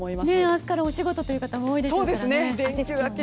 明日からお仕事という方も多いでしょうからね。